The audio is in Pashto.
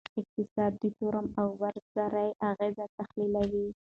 اقتصاد د تورم او بیروزګارۍ اغیز تحلیلوي.